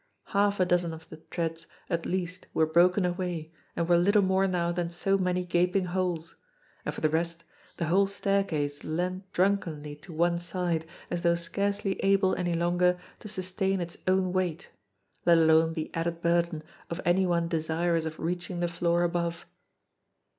Half a dozen of the treads at least were broken away and were little more now than so many gaping holes ; and for the rest, the whole staircase leaned drunkenly to one side as though scarcely able any longer to sustain its own weight, let alone the added burden of any one desirous of reaching the floor above.